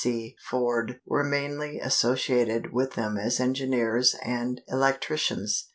C. Forde were mainly associated with them as engineers and electricians.